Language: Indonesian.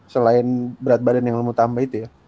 selain berat badan yang lu mau tambah itu ya